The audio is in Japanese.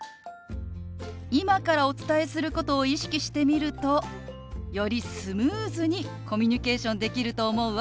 今からお伝えすることを意識してみるとよりスムーズにコミュニケーションできると思うわ。